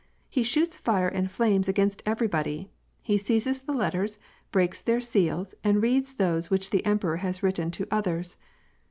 He shoots fire and flames against everybody; he seizes the letters, breaks their seals and reads those which the emperor has written to others.